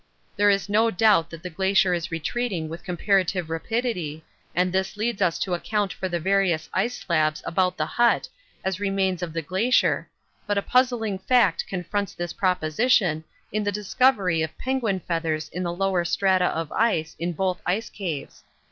There is no doubt that the glacier is retreating with comparative rapidity, and this leads us to account for the various ice slabs about the hut as remains of the glacier, but a puzzling fact confronts this proposition in the discovery of penguin feathers in the lower strata of ice in both ice caves.